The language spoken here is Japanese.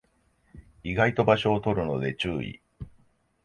意外と場所を取るので注意